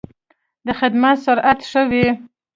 د خدمت سرعت ښه و.